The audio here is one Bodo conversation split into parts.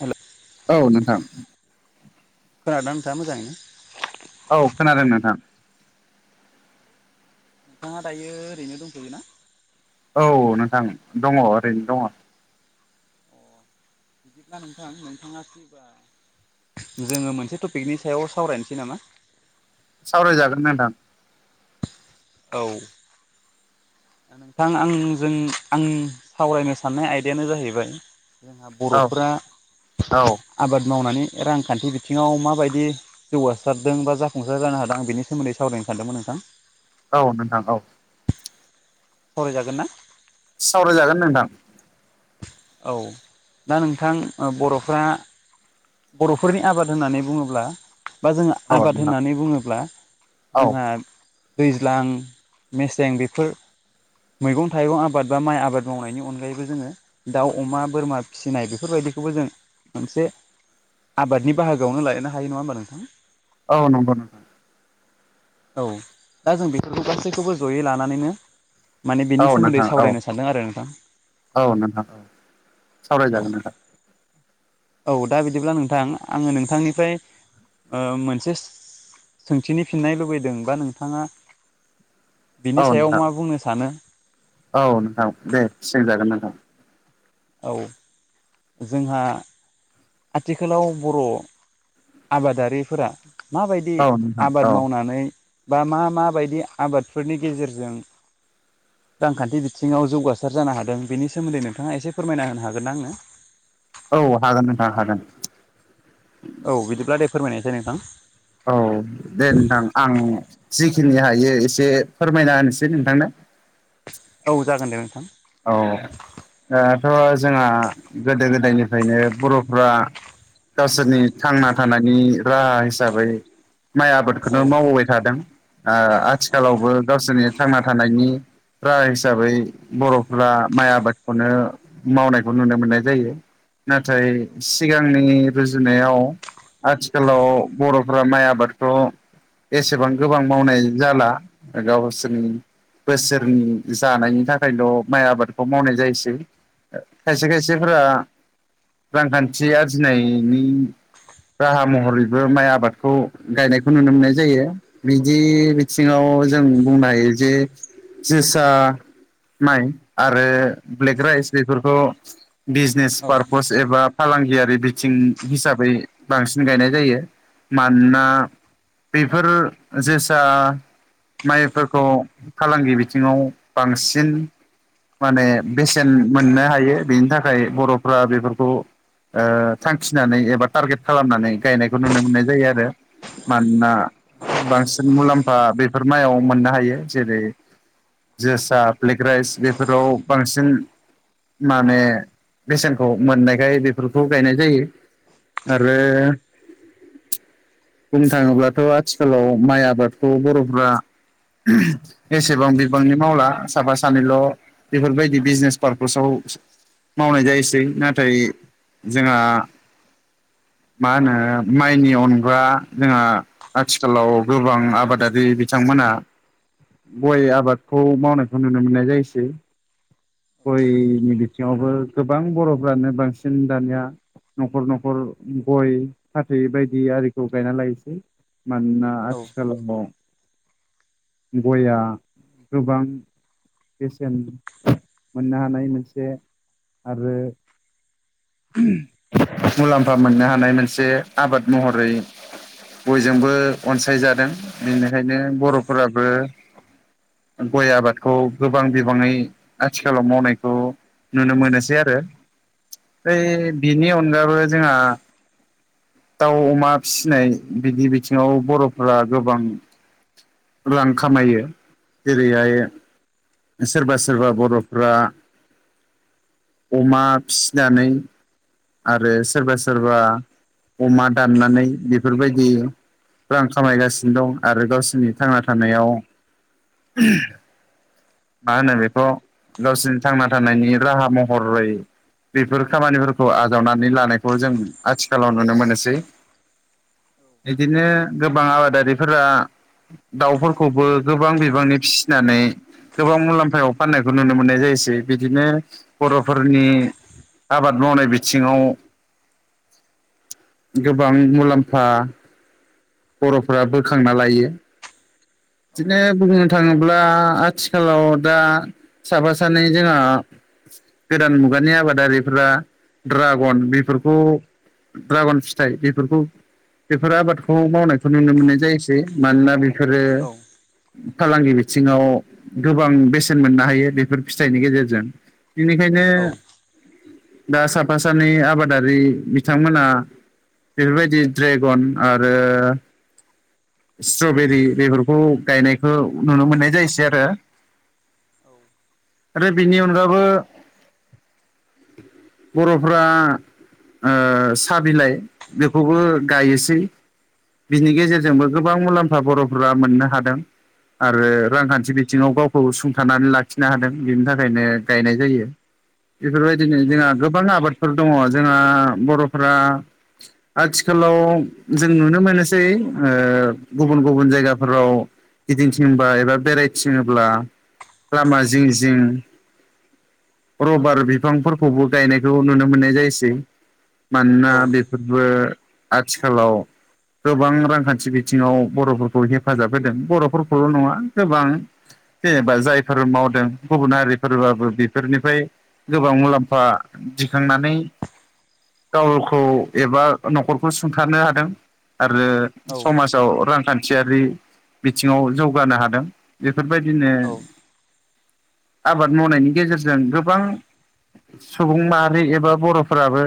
हेल' औ नोंथां खोनादोंना नोंथाङा मोजाङैनो औ खोनादों नोंथां नोंथाङा दायो ओरैनो दंफ'यो ना औ नोंथां दङ ओरैनो दङ अ बिदिब्ला नोंथां नोंथाङा सोरबा जोङो मोनसे टपिकनि सायाव सावरायनोसै नामा? सावरायजागोन ना नोंथां औ नोंथां आंजों आं सावरायनो साननाय आयदायानो जाहैबाय। औ बर'फोरा औ आबाद मावनानै रांखान्थि बिथिङाव माबायदि जौगासारदों बा जाफुंसार जानो हादों आं बेनि सोमोन्दै सावराय सानदोंमोन नोंथां। औ नोंथां औ। सावराय जागोन? सावरायजागोन नोंथां। औ दा नोंथां बर'फ्रा। बर'फोरनि आबाद होननानै बुङोब्ला। बा जों औ आबाद नोंथां होननानै बुङोब्ला औ जोंहा। दैज्लां मेसें बेफोर मैगं थाइगं आबाद बा माइ आबाद मावनायनि अनगायैबो जोङो दाउ अमा बोरमा फिसिनाय बेफोरबायदि बेखौबो जों मोनसे आबादनि बाहागोआवनो लायनो हायो नङा होमबा नोंथां? औ नंगौ नंगौ। औ दा जों बेफोरखौ गासैखौबो जयै लानानैनो माने औ बिनि सोमोन्दै नोंथां औ सावरायनो सानदों आरो नोंथां। सावराय औ जागोन नोथां। औ दा बिदिब्ला नोंथां आङो नोंथांनिफ्राय ओ मोनसे। सोंथिनि फिननाय लुबैदों बा नोंथाङा बिनि औ सायाव नोंथां मा बुंनो सानो औ नोंथां दे सोंजागोन नोंथां। औ जोंहा आथिखालाव बर' आबादारिफोरा माबायदि औ नोंथां औ आबाद मावनानै बा मा माबायदि आबादफोरनि गेजेरजों [inaudible] रांखान्थि बिथिङाव जौगासार जानो हादों बेनि सोमोन्दै नोंथाङा एसे फोरमायना होनो हागोन ना आंनो? औ हागोन नोंथां हागोन। औ बिदिब्ला दे फोरमायनायसै नोंथां? औ दे नोंथां आं जिखिनि हायो एसे फोरमायना होनोसै नोंथांनो। औ जागोन दे नोंथां। औ दाथ' जोंहा गोदो गोदायनिफ्रायनो बर'फ्रा गावसोरनि थांना थानायनि राहा हिसाबै माइ औ आबादखौनो मावबोबाय थादों ओ औ आथिखालावबो गावसोरनि थांना थानायनि र हिसाबै बर' फ्रा माइ आबादखौनो मावनायखौ नुनो मोननाय जायो। नाथाय सिगांनि रुजुनायाव आथिखालाव बर'फ्रा माइ आबादखौ एसेबां गोबां मावनाय जाला गावसोरनि बोसोरनि जानायनि थाखायल' माइ आबादखौ मावनाय जायोसै खायसे खायसेफोरा रांखान्थि आरजिनायनि राहा महरैबो माइ आबादखौ गायनायखौ नुनो मोननाय जायो बिदि बिथिङाव जों बुंनो हायो जे जोसा माइ आरो ब्लेक राइस बेफोरखौ बिजनेस औ पारपस एबा फालांगियारि बिथिं हिसाबै बांसिन गायनाय जायो मानोना बेफोर जोसा माइफोरखौ फालांगि बिथिङाव बांसिन माने बेसेन मोननो हायो बेनि थाखाय बर'फ्रा बेफोरखौ ओ थांखिनानै एबा टारगेट खालामनानै गायनायखौ नुनो मोननाय जायो आरो मानोना बांसिन मुलाम्फा बेफोर माइयाव मोननो हायो जेरै जोसा ब्लेक राइस बेफोराव बांसिन माने बेसेनखौ मोननायखाय बेफोरखौ गायनाय जायो आरो बुंनो थाङोब्लाथ' आथिखालाव माइ आबादखौ बर'फ्रा एसेबां बिबांनि मावला साफा सानैल' बेफोरबायदि बिजनेस पार्पासाव मावनाय जायोसै नाथाय जोंहा मा होनो माइनि अनगा जोंहा आथिखालाव गोबां आबादारि बिथांमोन हा आबादखौ मावनायखौ नुनो मोननाय जायोसै गयनि बिथिङावबो गोबां बर'फ्रानो बांसिन दानिया न'खर न'खर गय फाथै बायदि आरिखौ गायना लायसै मानोना औ आथिखालाव गया गोबां बेसेन मोननो हानाय मोनसे आरो मुलाम्फा मोननो हानाय मोनसे आबाद महरै बयजोंबो अनसायजादों बेनो ओंखायनो बर'फोराबो गय आबादखौ गोबां बिबाङै आथिखालाव मावनायखौ नुनो मोनोसै आरो। ओइ बिनि अनगाबो जोंहा दाउ अमा फिसिनाय बिदि बिथिङाव बर'फोरा गोबां रां खामायो जेरैहाय सोरबा सोरबा बर'फ्रा अमा फिसिनानै आरो सोरबा सोरबा अमा दाननानै बेफोरबायदि रां खामायगासिनो दं आरो गावसिनि थांना थानायाव मा होनो बेखौ गावसोरनि थांना थानायनि राहा महरै बेफोर खामानिफोरखौ आजावनानै लानायखौ जों आथिखालाव नुनो मोनोसै। बिदिनो गोबां आबादारिफोरा दाउफोरखौबो गोबां बिबांनि फिसिनानै गोबां मुलाम्फायाव फाननायखौ नुनो मोननाय जायसै बिदिनो बर'फोरनि आबाद मावनाय बिथिङाव। गोबां मुलाम्फा बर'फोरा बोखांना लायो। बिदिनो बुंनो थाङोब्ला आथिखालाव दा साफा सानै जोंहा गोदान मुगानि आबादारिफ्रा द्रा बन बेफोरखौ ड्रागन फिथाइ बेफोरखौ बेफोर आबादखौ मावनायखौ नुनो मोननाय जायसै मानोना बे फोरो फालांगि बिथिङाव गोबां बे सेन मोननो हायो बेफोर फिथाइनि गेजेरजों बेनिखायनो औ दा साफा सानै आबादारि बिथांमोना बेफोरबायदि ड्रेगन आरो स्ट्रबेरि बेफोरखौ गायनायखौ नुनो मोननाय जायोसै आरो आरो बेनि अनगाबो बर'फ्रा ओ साह बिलाइ बेखौबो गायोसै बिनि गेजेरजोंबो गोबां मुलाम्फा बर'फोरा मोननो हादों। आरो रांखान्थि बिथिङाव गावखौ सुंथानानै लाखिनो हादों बिनि थाखायनो गायनाय जायो। बेफोरबायदिनो जोंहा गोबां आबादफोर दङ जोंहा बर'फ्रा आथिखालाव जों नुनो मोनोसै ओ गुबुन गुबुन जायगाफोराव गिदिंथिंबा एबा बेरायथिङोब्ला लामा जिं जिं रबार बिफांफोरखौबो गायनायखौ नुनो मोननाय जायोसै। मानोना बेफोरबो आथिखालाव गोबां रांखान्थि बि थिङाव बर'फोरखौ हेफाजाब होदों बर'फोरखौल' नङा गोबां जेबा जायफोर मावदों गुबुन हारिफोरबाबो बेफोरनिफ्राय गोबां मुलाम्फा दिखांनानै गावखौ एबा न'खरखौ सुंथारनो हादों। आरो समाजाव रांखान्थियारि बिथिङाव जौगानो हादों बे फोरबायदिनो औ औ आबाद मावनायनि गेजेरजों गोबां सुबुं माहारि एबा बर'फोराबो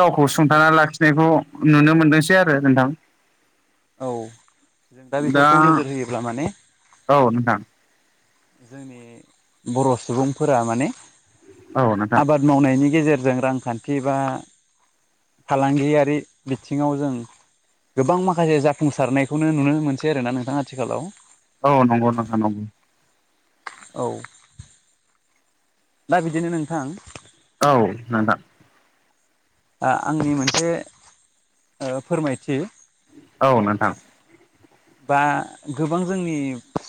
गावखौ सुंथाना लाखिनायखौ नुनो मोनदोंसै आरो नोंथां। औ जों दा बेफोरखौ नोजोर होयोब्ला माने औ नोंथां जोंनि बर' सुबुंफोरा माने औ नोंथां आबाद मावनायनि गेजेरजों रांखान्थि बा फालांगियारि बिथिङाव जों गोबां माखासे जाफुंसारनायखौनो नुनो मोनसै आरोना नोंथां आथिखालाव। औ नंगौ नोंथां नंगौ । औ दा बिदिनो नोंथां औ नोंथां ओ आंनि मोनसे ओ फोरमायथि औ नोंथां बा गोबां जोंनि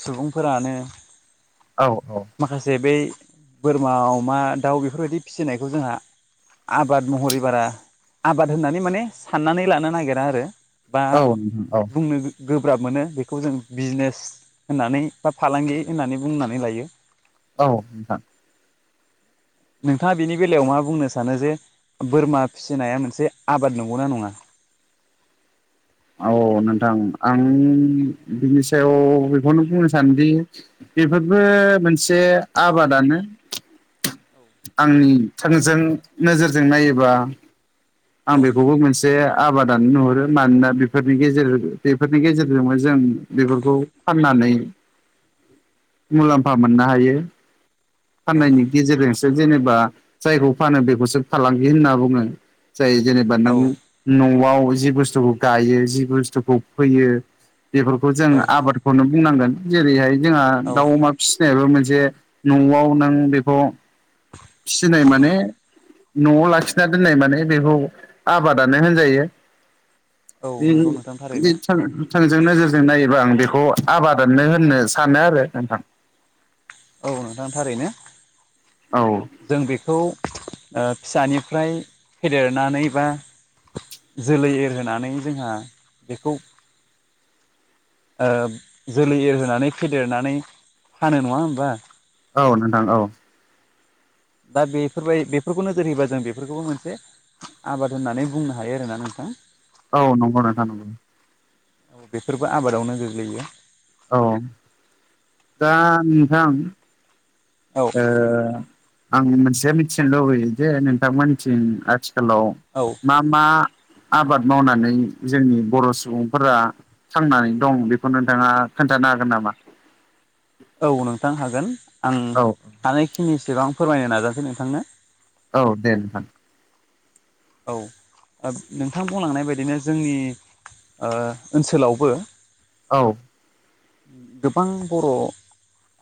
सुबुंफोरानो औ औ माखासे बै बोरमा, अमा, दाउ बेफोरबायदि फिसिनायखौ जोंहा आबाद महरै बारा आबाद होननानै माने साननानै लानो नागिरा आरो बा औ नोंथां बुंनो गो गोब्राब मोनो बेखौ जों बिजनेस होननानै बा फालांगि होननानै बुंनानै लायो। औ नोंथां नोंथाङा बिनि बेलायाव मा बुंनो सानो जे बोरमा फिसिनाया मोनसे आबाद नंगौना नङा? औ नोंथां आं बिनि सायाव बेखौनो बुंनो सानोदि बेफोरबो मोनसे आबादानो। आंनि थोंजों नोजोरजों नायोबा औ आं बेखौबो मोनसे आबाद दानो नुहुरो मानोना बेफोरनि गेजेर बेफोरनि गेजेरजोंबो जों बेफोरखौ फाननानै मुलाम्फा मोननो हायो। औ फाननायनि गेजेरजोंसो जेनेबा जायखौ फानो बेखौसो फालांगि होनना बुङो। जाय जेनेबा औ नों न'आव जि बुस्थुखौ गायो जि बुस्थुखौ फोयो। बेफोरखौ जों औ आबादखौनो बुंनांगोन जेरैहाय जोंहा औ दाउ अमा फिसिनायाबो मोन जे न'आव नों बेखौ फिसिनाय औ माने न'आव लाखिना दोननाय माने बेखौ आबादानो होनजायो। औ बे नंगौ नोंथां थारैनो बेथों थोंजों नोजोरजों नायोबा आं बेखौ औ आबादानो होननो सानो आरो नोंथां। औ नोंथां थारैनो नोंथां औ जों बेखौ ओ फिसानिफ्राय फेदेरनानै बा जोलै एरहोनानै जोंहा बेखौ ओ जोलै एरहोनानै फेदेरनानै फानो नङा होम औ नोंथां औ। दा बेफोरबाय बेफोरखौ नोजोर होयोबा जों बेफोरखौबो मोनसे आबाद होननानै बुंनो हायो आरोना नोंथां। औ नंगौ नोंथां नंगौ औ बेफोरबो आबादावनो गोग्लैयो। औ दा नोंथां औ ओ आं मोनसे मिथिनो लुबैयो जे नोंथांमोननिथिं आथि हेल' औ मा मा? आबाद मावनानै जोंनि बर' सुबुंफोरा थांनानै दं बेखौ नोंथाङा खोन थानो हागोन नामा? औ नोंथां हागोन आं औ हानायखिनिसिबां फोरमायनो नाजासै नोंथांनो। औ दे नोंथां। औ नोंथां बुंलांनाय बायदिनो जोंनि ओ ओनसोलावबो औ। गोबां बर'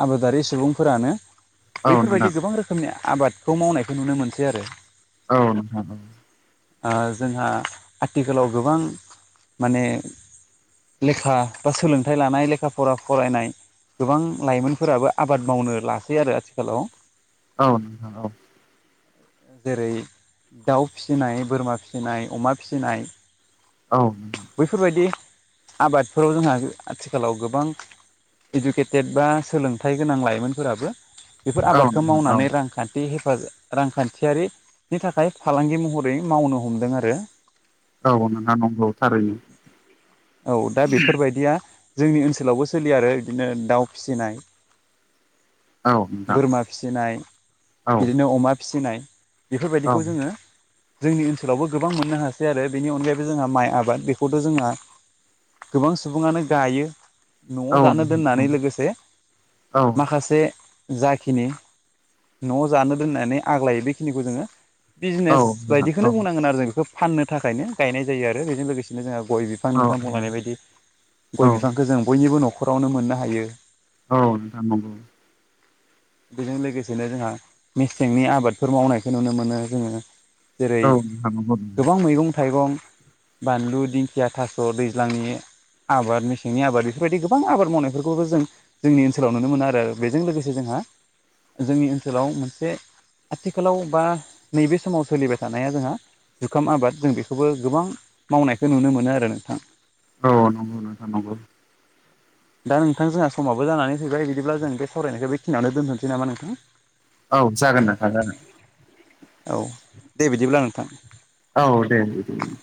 आबादारि सुबुंफोरानो औ नोंथां बैफोरबायदि गोबां रोखोमनि आबादखौ मावनायखौ नुनो मोनसै आरो। औ नोंथां। ओ जोंहा आथिखालाव गोबां माने लेखा बा सोलोंथाइ लानाय लेख खा फरा फरायनाय गोबां लाइमोनफोराबो आबाद मावनो लासै आरो आथिखालाव। औ औ। जेरै दाउ फिसिनाय बोरमा फिसिनाय अमा फिसिनाय। नोंथां बैफोरबायदि आबादफोराव जोंहा आथिखालाव गो बां गेदेद गेदेद बा सोलोंथाइ गोनां लाइमोनफोराबो बेफोर औ आबादखौ नोंथां औ मावनानै रांखान्थि नि हेफाजाब रांखान्थियारिनि थाखाय फालांगि महरै मावनो हमदों आरो। औ नोंथां नंगौ थारैनो औ दा बेफोरबायदिया जोंनि ओनसोलावबो सोलियो आरो बिदिनो दाउ फिसिनाय औ नोंथां बोरमा फिसिनाय औ बिदिनो अमा फिसिनाय। औ बेफोरबायदिखौ जोङो जोंनि ओनसोलावबो गोबां मोननो हासै आरो बेनि अनगायैबो जोंहा माइ आबाद बेखौथ' जोंहा गोबां सुबुङानो गायो। न'आव औ जानो दोननानै नोंथां लोगोसे औ माखासे जाखिनि न'आव जानो दोननानै आग्लायो बेखिनिखौ जोङो बिजनेस औ बायदिखौनो नोंथां बुंनांगोन आरो जों बेखौ फाननो थाखायनो गायनाय जायो आरो बेजों लोगोसेनो जोङो गय बिफां औ बुंलांनाय बायदि गय औ बिफांखौ जों बयनिबो न'खरावनो मोननो हायो। औ नोंथां नंगौ। बेजों लोगोसेनो जोंहा मेसेंनि आबादफोर मावनायखौ नुनो मोनो जोङो जेरै औ नोंथां नंगौ गोबां मैगं थाइगं बानलु, दिंखिया, थास'। थ' दैज्लांनि आबाद मेसेंनि आबाद बेफोरबायदि गोबां आबाद मावनायफोरखौबो जों जोंनि ओनसोलाव नुनो मोनो आरो बेजों लोगोसे जोंहा [unintelligible] जोंनि ओनसोलाव मोनसे आथिखालाव बा नैबे समाव सोलिबाय थानाया जोंहा जुखाम आबाद जों बेखौबो गोबां मावनायखौ नुनो मोनो आरो नों औ नंगौ नोंथां नंगौ। दा नोंथां जोंहा समाबो जानानै फैबाय बिदिब्ला जों बे सावरायनायखौ बेखिनियावनो दोनथ'नोसै नामा नोंथां? औ जागोन नोंथां जागोन। औ दे बिदिब्ला नोंथां। औ दे। [unintelligible]